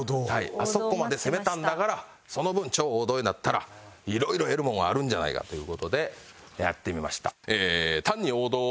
あそこまで攻めたんだからその分超王道になったら色々得るものはあるんじゃないかという事でやってみました。